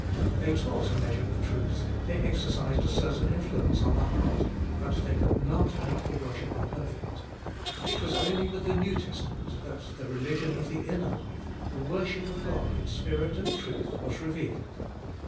They taught a measure of truth, they exercised a certain influence on the heart, but they could not make the worshipper perfect. It was only with the New Testament that the religion of the inner life, the worship of God in spirit and truth, was revealed.